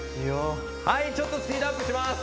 はいちょっとスピードアップします